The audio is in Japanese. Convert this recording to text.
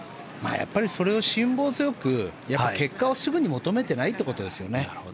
やっぱりそれを辛抱強く結果をすぐに求めていないということですよね。